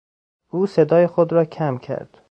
او صدای خود را کم کرد.